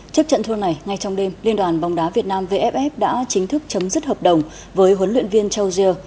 trước trận thua này ngay trong đêm liên đoàn bóng đá việt nam vff đã chính thức chấm dứt hợp đồng với huấn luyện viên châu giê